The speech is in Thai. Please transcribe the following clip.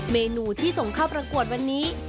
เมนูที่ส่งเข้าประกวดวันนี้